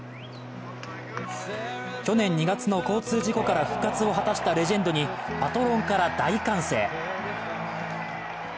去年２月の交通事故から復活を果たしたレジェンドにパトロンから大歓声。